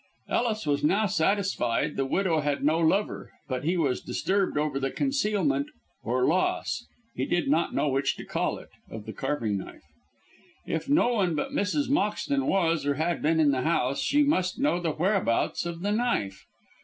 Ellis was now satisfied that the widow had no lover, but he was disturbed over the concealment or loss he did not know which to call it of the carving knife. If no one but Mrs. Moxton was, or had been, in the house, she must know the whereabouts of the knife.